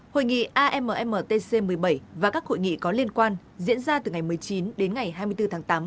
hội nghị ammtc một mươi bảy và các hội nghị có liên quan diễn ra từ ngày một mươi chín đến ngày hai mươi bốn tháng tám